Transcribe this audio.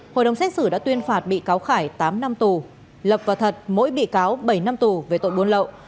hội đồng xét xử đã tuyên phạt bị cáo khải tám năm tù lập và thật mỗi bị cáo bảy năm tù về tội buôn lậu